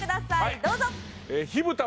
どうぞ！